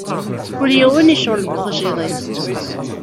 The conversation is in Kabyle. Kul yiwen icɣel deg uxjiḍ-is.